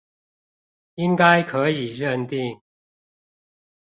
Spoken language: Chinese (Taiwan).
應該可以認定